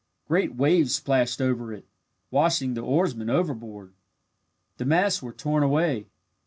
Great waves splashed over it, washing the oarsmen overboard. The masts were torn away.